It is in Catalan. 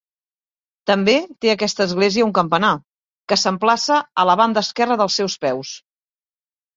També té aquesta església un campanar, que s'emplaça a la banda esquerra dels seus peus.